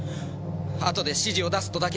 あとで指示を出すとだけ。